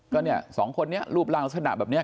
ก็เนี่ยสองคนนี้รูปร่างลักษณะแบบนี้